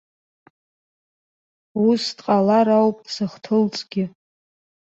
Ус дҟалар ауп сыхҭылҵгьы.